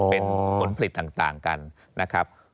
เป็นผลผลิตต่างกันนะครับ